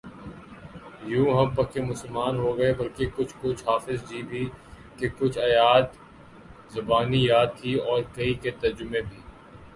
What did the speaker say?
یوں ہم پکے مسلمان ہوگئے بلکہ کچھ کچھ حافظ جی بھی کہ کچھ آیات زبانی یاد تھیں اور کئی کے ترجمے بھی